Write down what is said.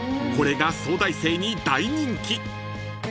［これが早大生に大人気！］